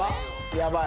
やばい。